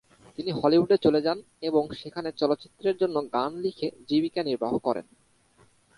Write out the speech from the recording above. তিনি হলিউডে চলে যান এবং সেখানে চলচ্চিত্রের জন্য গান লিখে জীবিকা নির্বাহ করেন।